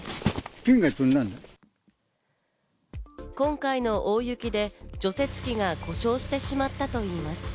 今回の大雪で除雪機が故障してしまったといいます。